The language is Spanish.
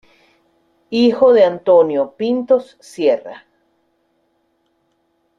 Hijo de Antonio Pintos Sierra.